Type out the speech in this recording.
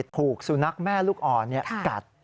ถูกสุนัขแม่ลูกอ่อนกัด